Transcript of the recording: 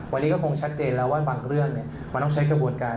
วันนี้ก็คงชัดเจนแล้วว่าบางเรื่องมันต้องใช้กระบวนการ